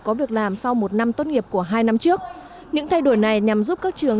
có việc làm sau một năm tốt nghiệp của hai năm trước những thay đổi này nhằm giúp các trường